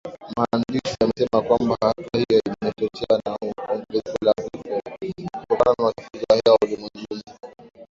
Mhandisi amesema kwamba hatua hiyo imechochewa na ongezeko la vifo kutokana na uchafuzi wa hewa ulimwenguni